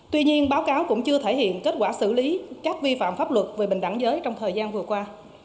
tuy nhiên báo cáo cũng chưa thể hiện kết quả xử lý các vi phạm pháp luật về bình đẳng giới trong thời gian vừa qua